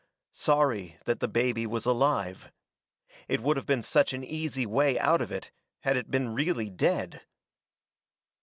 sorry that the baby was alive. It would have been such an easy way out of it had it been really dead!